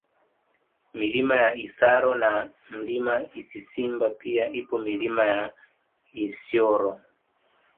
Milima ya Isaro na Mlima Isisimba pia ipo Milima ya Isyoro